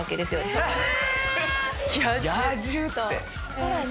さらに。